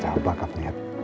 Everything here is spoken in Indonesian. jawab lah kab lihat